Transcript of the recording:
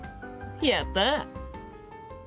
やった！